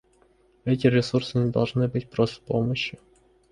Эти ресурсы не должны быть просто помощью.